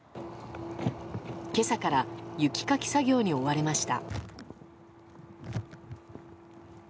今朝から雪かき作業に追われました。